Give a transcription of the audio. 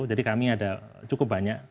jadi kami ada cukup banyak